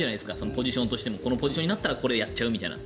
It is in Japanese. ポジションとしてもこのポジションになったらこれをやっちゃうみたいな。